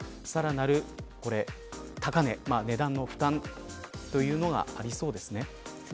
さらなるこれは高値値段の負担というのがありそうですね。